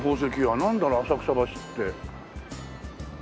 なんだろう浅草橋って。